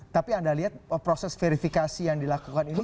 tapi anda lihat proses verifikasi yang dilakukan ini